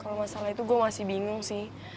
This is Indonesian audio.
kalo masalah itu gua masih bingung sih